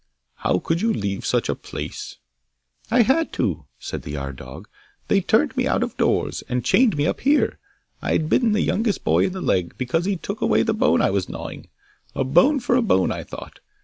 'How could you leave such a place?' 'I had to!' said the yard dog. 'They turned me out of doors, and chained me up here. I had bitten the youngest boy in the leg, because he took away the bone I was gnawing; a bone for a bone, I thought!